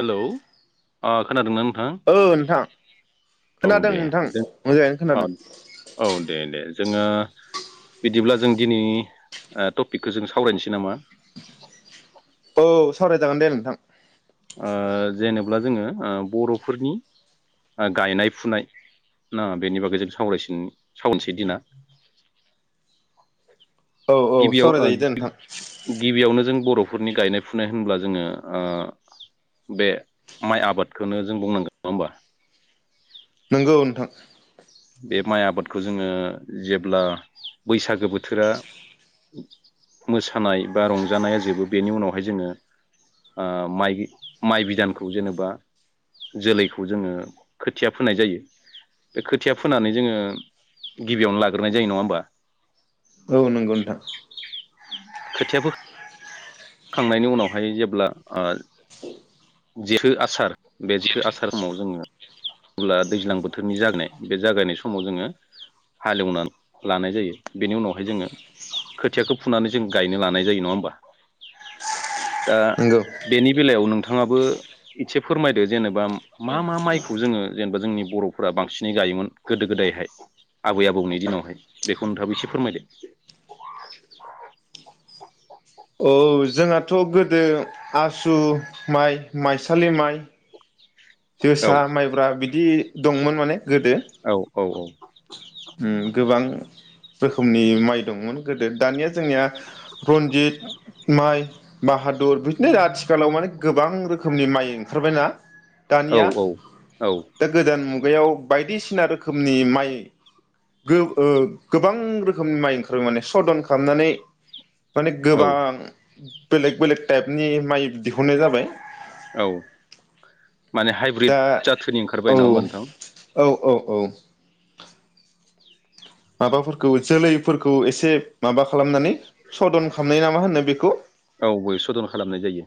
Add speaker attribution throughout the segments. Speaker 1: Hello अ खोनादोंना नों
Speaker 2: ओ नोंथां खोनदों
Speaker 1: दे
Speaker 2: नोंथां
Speaker 1: जों
Speaker 2: मोजाङैनो
Speaker 1: औ
Speaker 2: खोनादों।
Speaker 1: औ दे दे जोङो बिदिब्ला जों दिनि ओह टपिकखो जों सावरायनोसै नामा?
Speaker 2: औ सावरायजागोन दे नोंथां।
Speaker 1: ओ जेनेब्ला जोङो। ओ बरफोरनि गायनाय फुनाय ना बेनि बागै जों सावरायसिन सावनोसै दिना
Speaker 2: औ औ
Speaker 1: गिबियाव ओ
Speaker 2: सावरायजायो दे
Speaker 1: गि
Speaker 2: नोंथां
Speaker 1: गिबियावनो जों बर फुरनि गायनाय फुनाय होनब्ला जोङो ओ बे माइ आबादखोनो जों बुंनांगोन नङा होमबा।
Speaker 2: नोंगौ नोंथां।
Speaker 1: बे माइ आबादखो जोङो जेब्ला बैसागो बोथोरा मोसानाय बा रंजानाया जोबो बेनि उनावहाय जोङो ओ माइ माइ बिदानखौ जेनेबा जोलैखौ जोङो खोथिया फोनाय जायो बे खोथिया फोनानै जोङो गिबियावनो लाग्रोनायजायो नङा होमबा?
Speaker 2: औ नोंगौ नोंथां।
Speaker 1: खोथियाफो खांनायनि उनावहाय जेब्ला ओ जेथो आसार बे जेथो आसार समाव जोङो जेब्ला दैज्लां बोथोरनि जागायनाय बे जागायनाय समाव जोङो हालेवनानै लानाय जायो बेनि उनावहाय जोङो खोथियाखो फुनानै जों गायनो लानाय जायो नङा होमबा? दा
Speaker 2: नंगौ
Speaker 1: बेनि बेलायाव नोंथाङाबो एदसे फोरमायदो जेनेबा मा मा माइखौ जोङो जेनेबा जोंनि बरफोरा बांसिनै जायोमोन गोदो गोदायहाय आबै आबौनि दिनावहाय बेखौ नोंथाङाबो इसे फोरमायदो।
Speaker 2: औ जोंहाथ गोद दो आसु माइ। माइसालि माइ
Speaker 1: औ
Speaker 2: जोसा मायब्रा बिदि दंमोन माने गोदो।
Speaker 1: औ औ औ।
Speaker 2: उम गोबां रोखोमनि माइ दंमोन। गोदो दानिया जोंनिया रनजित माइ। बाहादुर बिदिनो आथि खालाव माने गोबां रोखोमनि माइ ओंखारबायना।
Speaker 1: औ
Speaker 2: दानिया
Speaker 1: औ
Speaker 2: दा गोदान मु बैयाव बायदिसिना रोखोमनि माइ। गो ओ गोबां रोखोमनि माइ ओंखारबाय माने सदन खालामनानै। माने
Speaker 1: औ
Speaker 2: गोबां बेलेग बेलेग ताइपनि माइ दिहुननाय जाबाय।
Speaker 1: औ। माने
Speaker 2: दा
Speaker 1: हाइब्रिद जाथोनि
Speaker 2: औ
Speaker 1: ओंखारबाय नङाहोमबा नोंथां?
Speaker 2: औ औ औ। माबाफोरखौ जोलैफोरखौ एसे माबा खालामनानै सदन खामनाया मा होनो बेखौ
Speaker 1: औ सदन खालामनाय जायो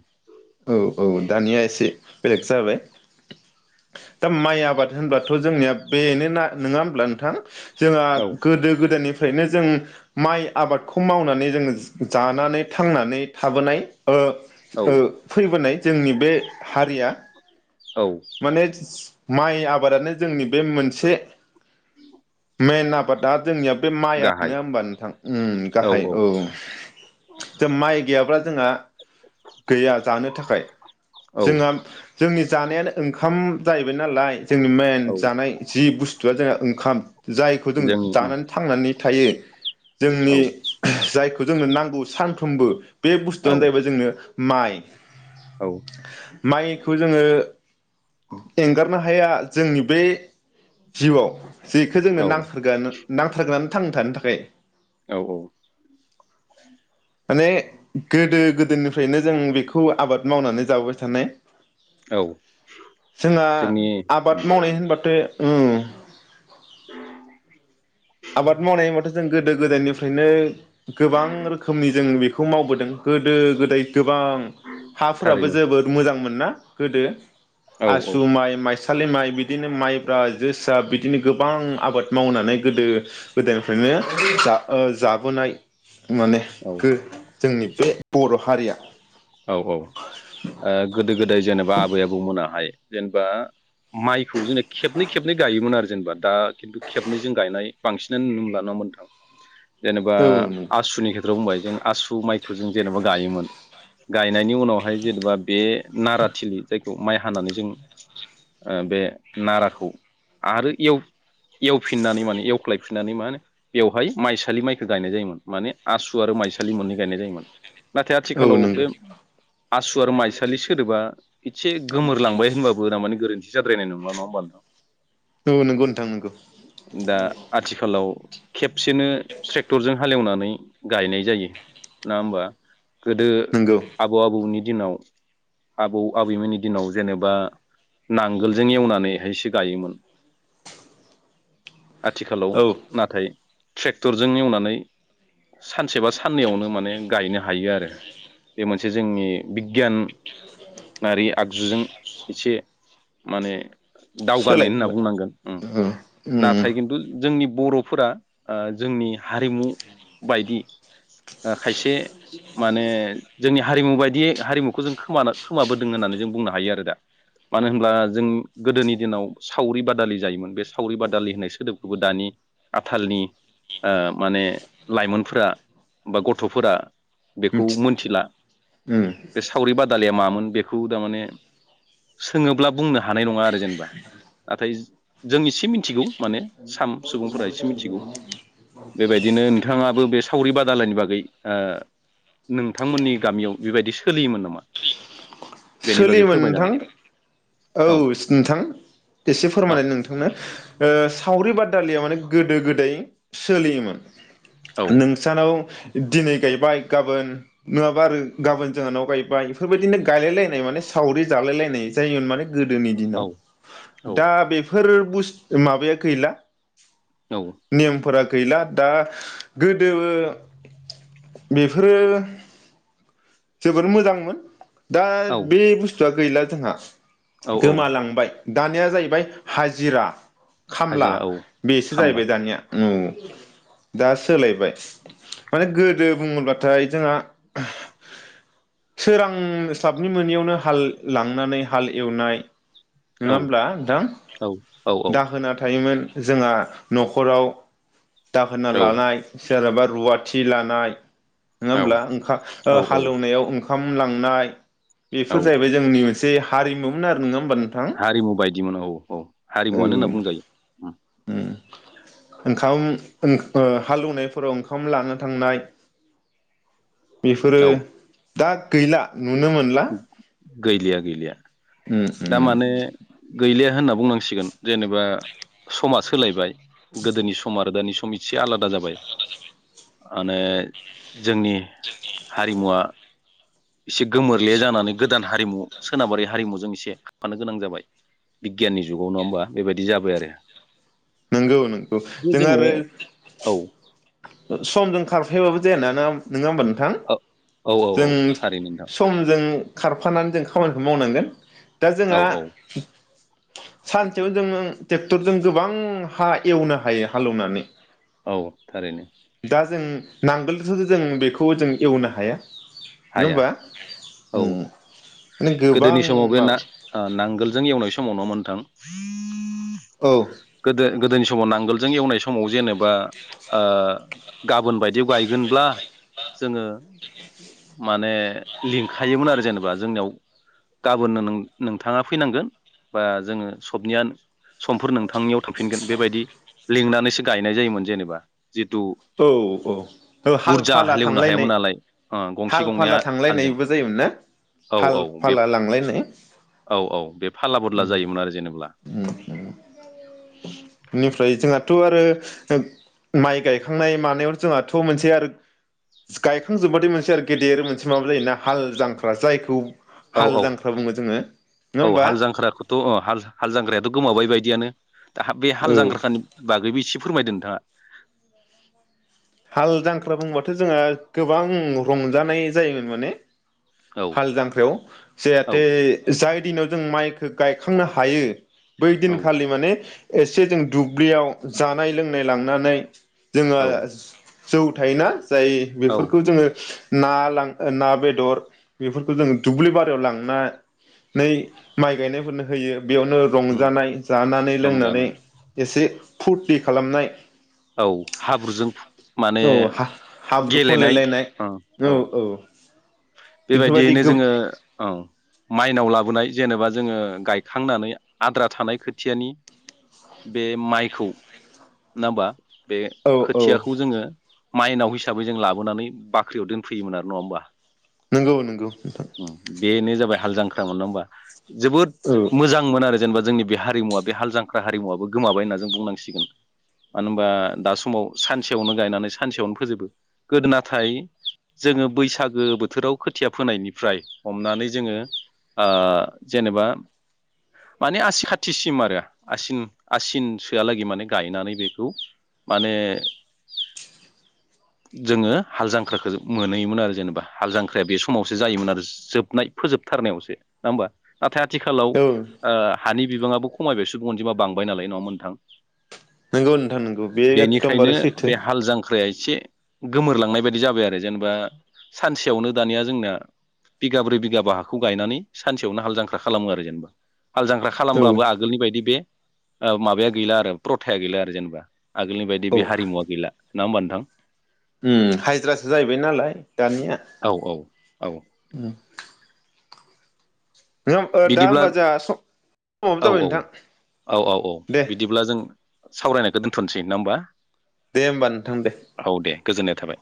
Speaker 2: औ औ दानिया एसे बेलेग जाबाय दा माइ आबाद होनबाथ' जोंनिया बेनोना नङा होमब्ला नोंथां? जोंया
Speaker 1: औ
Speaker 2: गोदो गोदायनिफ्रायनो जों माइ आबादखौ मावनानै जोङो जानानै थांनानै थाबोनाय ओ
Speaker 1: औ
Speaker 2: ओ फैबोनाय। जोंनि बे हारिया
Speaker 1: औ
Speaker 2: माने स माइ आबादानो जोंनि बे मोनसे मेन आबादा जोंनिया बे माइयानो
Speaker 1: गाहाय
Speaker 2: नङा होमबा नोंथां? उम गाहाय। औ जा माइ गैयाब्ला जोंहा गैया जानो थाखाय
Speaker 1: औ
Speaker 2: जोंहा जोंनि जानायानो ओंखाम जाहैबाय नालाय जोंनि मेन
Speaker 1: औ
Speaker 2: जानाय जि बुस्थुआ जोंना ओंखाम। जायखौ जों
Speaker 1: जोंनि उम
Speaker 2: जानानै थांनानै थायो जोंनि
Speaker 1: औ
Speaker 2: जाय जोंनो नांगौ सानफ्रोमबो बे
Speaker 1: औ
Speaker 2: बुस्थुयानो जाहैबाय जोंनो माइ। माइक खौ जोङो एंगारनो हाया जोंनि बे जिउआव जिक नो
Speaker 1: औ
Speaker 2: नांथारगोयानो नांथार‌ थांना थानो थाखाय।
Speaker 1: औ औ
Speaker 2: माने गोदो गोदोनिफ्रायनो जों बेखौ आबाद मावनानै जाबोबाय थानाय
Speaker 1: औ
Speaker 2: जोंहा
Speaker 1: जोंनि उम
Speaker 2: आबाद मावनाय होनबाथे उम आबाद मावनाय होनबाथ' जों गोदो गोदोनिफ्रायनो गोबां रोखोमनि जों बेख खौ मावबोदों गोदो गोदाय गोबां हाफोराबो
Speaker 1: थारैनो
Speaker 2: जोबोद मोजां मोनो ना गोदो
Speaker 1: औ
Speaker 2: आसु माइ माइस सालि माइ बि बिदिनो माइब्रा जोसा बिदिनो गोबां गोबां आबाद मावनानै गोदो गोदोनिफ्रायनो जा जाबोनाय माने
Speaker 1: औ
Speaker 2: गो जोंनि बे बर' हारिया
Speaker 1: औ औ गोदो ओ गोदाय जेनेबा आबै आबौमोनाहाय जेनेबा माइखौ जोंना खेबनै खेबनै गायोमोन आरो जेनेबा दा खिन्थु खेबनैजों गायनाय बांसिनानो नु मोनला नङा होनबा नोंथां जेनेबा
Speaker 2: औ नंगौ
Speaker 1: आसुनि खेथ्राव बुंबाय जों आसु माइखौ जों जेनेबा गायोमोन गायनायनि उनावहाय जेनेबा बे नाराथिलि जायखौ माइ हानानै जों बे नाराखौ आरो एवफिननानै माने एवख्लायफिननानै मा होन बेवहाय माइसालि माइखौ गायनाय जायोमोन माने आसु आरो माइसालि मोननै गायनाय जायोमोन
Speaker 2: औ नंगौ
Speaker 1: आसुआ माइसालि सोदोबा एसे गोमोरलांबाय होनबाबो थारमाने गोरोन्थि जाद्रायनाय नङा नङा होमबा नोंथां
Speaker 2: औ नंगौ नोंथां नंगौ
Speaker 1: दा आथिखालाव बिसोरनो ट्रेक्टरजों हालेवनानै गायनाय जायो नङा होमबा गोदो
Speaker 2: नंगौ
Speaker 1: आबौ आबैनि दिनाव आबौ आबैमोननि दिनाव जेनेबा नांगोलजों एवनानैहायसो गायोमोन आथिखालाव
Speaker 2: औ
Speaker 1: नाथाय ट्रेक्टरजों एवनानै सानसे सानसेबा साननैयावनो माने गायनो हायो आरो बे मोनसे जोंनि गियानारि आदब [unintelligible] जुजों एसे माने दावगानाय होनना
Speaker 2: सोलायबोबाय
Speaker 1: बुंनांगोन
Speaker 2: औ उम
Speaker 1: नाथाय खिन्थु जोंनि बर'फोरा जोंनि हारिमु बायदि खायसे माने जोंनि हारिमु बायदियै हारिमुखौ जों खोमाबोदों होननानै जों बुंनो हायो आरो दा मानो होनब्ला जों गोदोनि दिनाव सावरि बादालि जायोमोन बे सावरि बादालि होननाय सोदोबखौबो दानि आथालनि माने लाइमोनफोरा बा गथ'फोरा बेखौ
Speaker 2: मिथि
Speaker 1: मोनथिला
Speaker 2: उम
Speaker 1: बे सावरि बादालिया मामोन बेखौ थारमाने सोङोब्ला बुंनो हानाय नङा आरो जेनबा नाथाय जों एसे मोनथिगौ माने साम सुबुंफोरा एसे मिथिगौ बेबायदिनो नोंथाङाबो बे सावरि बादालानि बागै गै आ नोंथांमोननि गामियाव बेबायदि सोलियोमोन नामा? बेनि बागै
Speaker 2: सोलियोमोन नोंथां
Speaker 1: फोरमायजागोन
Speaker 2: औ नोंथां एसे
Speaker 1: औ
Speaker 2: फोरमायनो नोंथांनो। सावरि बादालिया माने गोदो गोदाय सोलियोमोन
Speaker 1: औ
Speaker 2: । नोंसानाव दिनै गायबाय गाबोन नङाबा आरो गाबोन जोंहानाव गायबाय बेफोरबायदिनो गायलाय नाय सावरि जालायलायनाय जायोमोन माने गोदोनि
Speaker 1: औ
Speaker 2: दिनाव
Speaker 1: औ
Speaker 2: दा बे फोर बुस माबाया गैला
Speaker 1: औ
Speaker 2: । नेमफोरा गैला दा गोदोबो बेफोरो जोबोर मोजांमोन। दा
Speaker 1: औ
Speaker 2: बे बुस्थुआ गैला जोंहा ।
Speaker 1: औ औ
Speaker 2: गोमालांबाय । दानिया जाहैबाय हाजिरा खामला
Speaker 1: हाजिरा औ
Speaker 2: बेसो
Speaker 1: खामला
Speaker 2: जाहैबाय दानिया औ दा सोलायबाय माने गोदो बुङोब्लाथाय जोंहा सोरांस्लाबनि मोनियावनो हाल लांनानै हाल एवनाय ।
Speaker 1: औ
Speaker 2: नङा होमब्ला नोंथां
Speaker 1: औ औ औ
Speaker 2: दाहोना थायोमोन जोंहा न'खराव दाहोना लानाय जेनेबा रुवाथि लानाय । नङा
Speaker 1: औ
Speaker 2: होमब्ला ओंखाम ओ
Speaker 1: औ
Speaker 2: हाल एवनायाव ओंखाम ओंखामलांनाय
Speaker 1: औ
Speaker 2: बेफोर जाहैबाय जोंनि मोन से हारिमुमोन आरो नङा होमबा नों
Speaker 1: हारिमु बायदिमोन औ औ हारिमुवानो होनना
Speaker 2: औ
Speaker 1: बुंजायो।
Speaker 2: ओंखाम ओ हालेवनायफोराव ओंखाम लानो थांनाय। बेफोरो
Speaker 1: औ
Speaker 2: दा गैला। नुनो मोनला।
Speaker 1: गैलिया गैलिया
Speaker 2: उम उम
Speaker 1: दा माने गैलिया होनना बुंनांसिगोन जेनेबा समाज सोलायबाय। गोदोनि सम आरो दानि सम। सम इसे आलादा जाबाय माने जोंनि हारिमुवा एसे गोमोरले जानानै गोदान हारिमु सोनाबारि हारिमुजों एसे खारफानो गोनां जाबाय बिगियाननि जुगाव नङा होमबा बेबायदि जाबाय आरो।
Speaker 2: नोंगौ नोंगौ
Speaker 1: बे
Speaker 2: जों
Speaker 1: जोङो
Speaker 2: आरो
Speaker 1: औ
Speaker 2: समजों खारफायाबाबो जाया ना? नों नोंथां
Speaker 1: औ औ औ
Speaker 2: जों
Speaker 1: थारैनो नोंथां
Speaker 2: समजों खारफानानै जों खामानिखौ मावनांगोन। दा
Speaker 1: औ
Speaker 2: जोंहा
Speaker 1: औ
Speaker 2: सानसेयाव जों टेक्टरजों गोबां हा एवनो हायो हालौनानै।
Speaker 1: औ थारैनो।
Speaker 2: दा जों नांगोलजोंथ' जों बेखौ जों एवनो हाया। नङा
Speaker 1: हाया
Speaker 2: होमबा?
Speaker 1: औ
Speaker 2: उम माने गोबां
Speaker 1: गोदोनि समाव बे
Speaker 2: माबा
Speaker 1: ना ओ नांगोलजों एवनो बै समाव नङा मोनथां।
Speaker 2: औ
Speaker 1: गोदोनि समाव नांगोलजों एवनाय समाव जेनेबा ओ गाबोन बायदियाव गायगोनब्ला जोङो माने लिंखायोमोन आरो जेनेबा जोंनियाव गाबोननो नों नोंथाङा फैनांगोन बा जोङो सबनिया समफोर नोंथांनियाव थांफिनगोन बेबायदि लिंनानैसो गायनाय जायोमोन जेनेबा। जिथु
Speaker 2: औ औ हाल
Speaker 1: बुरजा
Speaker 2: फाला
Speaker 1: हालेवनो हायामोन
Speaker 2: थांलायनाय
Speaker 1: नालाय ओ गंसे
Speaker 2: हाल
Speaker 1: गंनैया
Speaker 2: फाला थां
Speaker 1: हालजों
Speaker 2: लायनायबो जायोमोन ना
Speaker 1: औ
Speaker 2: हाल
Speaker 1: औ बे
Speaker 2: फाला लांलायनाय
Speaker 1: औ औ बे फाला बदला जायोमोन आरो जेनेब्ला
Speaker 2: उम इनिफ्राय जोंङा थ' आरो ओ माइ गाय गायखांनाय मानायाव जोंहाथ' मोनसे आरो गायखांजोब्बाथाय मोनसे आरो गेदेर मोनसे माबा जायोना हाल जांख्रा जायखौ
Speaker 1: औ
Speaker 2: हाल
Speaker 1: औ
Speaker 2: जांख्रा बुङो जोङो नङा
Speaker 1: औ
Speaker 2: होमबा
Speaker 1: हाल जांख्राखौथ' हाल जांख्रायाथ' गोमावाबाय बायदियानो। दा बे हाल
Speaker 2: औ
Speaker 1: जांग्राखानि बागैबो एसे फोरमायदो नोंथाङा।
Speaker 2: हाल जांख्रा बुंबाथ' जोंहा गोबां रंजानाय जायोमोन माने
Speaker 1: औ
Speaker 2: हाल जांख्रायाव
Speaker 1: औ
Speaker 2: जाहाथे जाय दिनाव जों माइखौ गायखांनो हायो। बै
Speaker 1: औ
Speaker 2: दिनखालि माने एसे जों दुब्लियाव जानाय लोंनाय लांनानै जोङो।
Speaker 1: औ
Speaker 2: जौ थायोना। जाय
Speaker 1: औ
Speaker 2: बेफोरखौ जोङो ना लां ना बेदर बेफोरखौ जों दुब्लि बारियाव लांनानै माइ गायनायफोरनो होयो। बेयावनो
Speaker 1: उम
Speaker 2: रंजानाय जानानै लोंनानै
Speaker 1: रंजानाय
Speaker 2: एसे फुरथि खालामनाय।
Speaker 1: औ हाब्रुजों माने
Speaker 2: औ हाब्रु
Speaker 1: गेलेनाय
Speaker 2: फुनलायलायनाय औ औ। बेफोरबायदि
Speaker 1: बेबायदियैनो जोङो औ। माइनाव लाबोनाय जेनेबा जोङो गायखांनानै आद्रा थानाय खोथियानि बे माइखौ नङा होमबा? बे
Speaker 2: औ औ
Speaker 1: खोथियाखौ जोङो माइनाव हिसाबै जों लाबोनानै बाख्रियाव दोनफैयोमोन आरो नङा होमबा?
Speaker 2: नंगौ नंगौ नोंथां
Speaker 1: बेनो जाबाय हाल जांख्रा मोन नङा होमबा? जोबोद
Speaker 2: औ
Speaker 1: मोजांमोन आरो। जेनेबा जोंनि बे हारिमुवा बे हाल जांख्रा हारिमुवाबो गोमाबाय होनना जों बुंनांसिगोन। मानो होनबा दा समाव सानसेयावनो गायनानै सानसेयावनो फोजोबो गोदो नाथाय जोङो बैसागो बोथोराव खोथिया फोनायनिफ्राय हमनानै जोङो आ जेनेबा माने आसि खाथिसिम आरो आसिन आसिन सोआलागै माने गायनानै बेखौ माने जोङो हाल जांख्राखौ मोनहोयोमोन आरो जेनेबा हाल जांख्राया बे समावसो जायोमोन आरो जोबनाय फोजोबथारनायावसो नङा होमबा नाथाय आथिखालाव
Speaker 2: औ
Speaker 1: आ हानि बिबाङाबो खमायबाय सुबुं अनजिमा बांबाय नालाय नङा होनबा नोंथां?
Speaker 2: नोंगौ नोंथां नोंगौ बे
Speaker 1: बेनिखायनो
Speaker 2: एकदमबारै
Speaker 1: बे
Speaker 2: सैथो।
Speaker 1: हाल जांख्राया एसे गोमोरलांनाय बायदि जाबाय आरो जेनेबा सानसेयावनो दानिया जोंना बिगाब्रै बिगाबा हाखौ गायनानै सानसेयावनो हाल जांख्रा खालामो आरो जेनेबा हाल जांख्रा
Speaker 2: औ
Speaker 1: खालामब्लाबो आगोलनि बायदि बे माबाया गैला आरो प्रथाया गैला। जेनबा आगोलनि बायदि
Speaker 2: औ
Speaker 1: बे हारिमुवा गैला नङा होनबा नोंथां
Speaker 2: उम हाजिरासो जाहैबाय नालाय दानिया
Speaker 1: औ औ औ
Speaker 2: उम [inaudible] [unintelligible] दा
Speaker 1: बिदिब्ला
Speaker 2: होमबा जोंहा समाबो
Speaker 1: औ
Speaker 2: जाबाय
Speaker 1: औ
Speaker 2: नोंथां
Speaker 1: औ औ औ
Speaker 2: दे
Speaker 1: बिदिब्ला जों सावरायनायखौ दोन्थनोसै नङा होमबा
Speaker 2: दे होमबा नोंथां दे
Speaker 1: औ दे गोजोननाय थाबाय